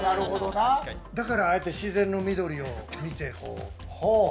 だから、あえて自然の緑を見て。